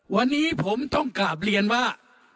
วันนี้ผมต้องกราบเรียนว่า